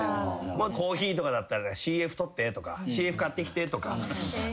コーヒーとかだったら「ＣＦ取って」とか「ＣＦ買ってきて」とか。